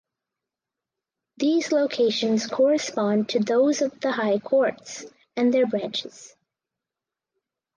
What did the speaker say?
These locations correspond to those of the High Courts and their branches.